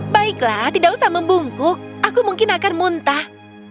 baiklah tidak usah membungkuk aku mungkin akan muntah